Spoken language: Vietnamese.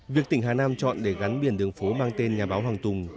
việc tỉnh hà nam chọn để gắn biển đường phố mang tên nhà báo hoàng tùng